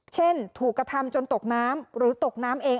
เช่นถูกกระทำจนตกน้ำหรือตกน้ำเอง